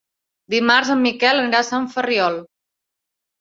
Dimarts en Miquel anirà a Sant Ferriol.